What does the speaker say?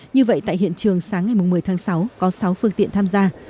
như vậy tại hiện trường sáng ngày một mươi tháng sáu có sáu phương tiện tham gia